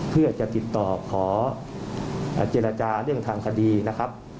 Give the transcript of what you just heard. เพื่อจะติดต่อขอเจรจาเรื่องทางคดีนะครับ